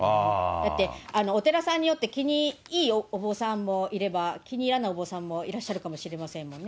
だって、お寺さんによって、気にいるお坊さんもいれば、気に入らないお坊さんもいらっしゃるかもしれませんもんね。